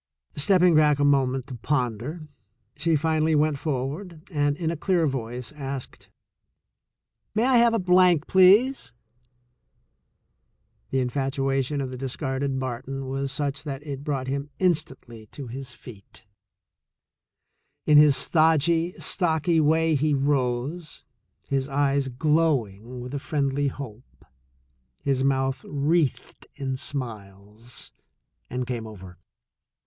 Stepping back a THE SECOND CHOICE 153 moment to ponder, she finally went forward and, in a clear voice, asked, "May I have a blank, please ?" The infatuation of the discarded Barton was such that it brought him instantly to his feet. In his stodgy, stocky way he rose, his eyes glowing with a friendly hope, his mouth wreathed in smiles, and came over.